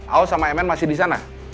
ao sama mn masih di sana